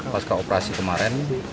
pas keoperasi kemarin